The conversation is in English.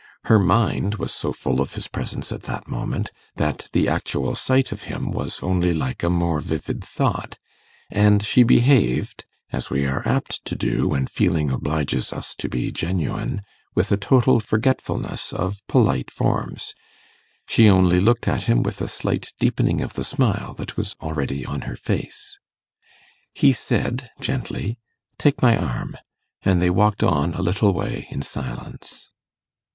Her mind was so full of his presence at that moment, that the actual sight of him was only like a more vivid thought, and she behaved, as we are apt to do when feeling obliges us to be genuine, with a total forgetfulness of polite forms. She only looked at him with a slight deepening of the smile that was already on her face. He said gently, 'Take my arm'; and they walked on a little way in silence.